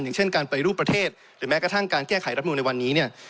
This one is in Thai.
อย่างเช่นการปฏิรูปประเทศหรือแม้กระทั่งการแก้ไขรับนูลในวันนี้เนี่ย